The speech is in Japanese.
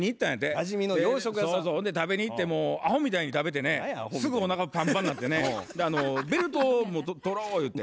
食べに行ってもうあほみたいに食べてねすぐおなかパンパンなってねベルトをもう取ろうゆうて。